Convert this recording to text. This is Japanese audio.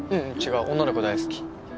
ううん違う女の子大好き。